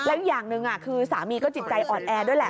อีกอย่างหนึ่งคือสามีก็จิตใจอ่อนแอด้วยแหละ